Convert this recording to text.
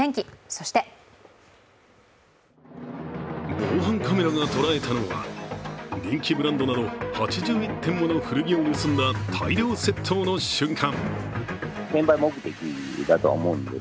そして防犯カメラが捉えたのは人気ブランドなど８１点を盗んだ大量窃盗の瞬間。